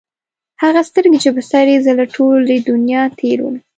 هغه سترګي چې په سر یې زه له ټولي دنیا تېر وم